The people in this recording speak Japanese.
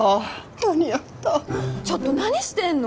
間に合ったちょっと何してんの？